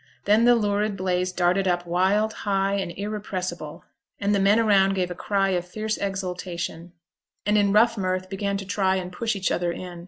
Then the lurid blaze darted up wild, high, and irrepressible; and the men around gave a cry of fierce exultation, and in rough mirth began to try and push each other in.